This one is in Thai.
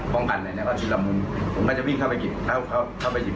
พองกันไหนเนี้ยเขาชื้นละมุมผมก็จะวิ่งเข้าไปเก็บเข้าเข้าเข้าไปหยิบ